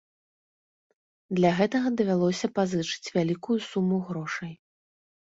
Для гэтага давялося пазычыць вялікую суму грошай.